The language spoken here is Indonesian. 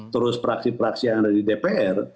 terus praksi praksi yang ada di dpr